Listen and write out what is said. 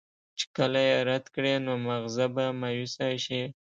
چې کله ئې رد کړي نو مازغۀ به مايوسه شي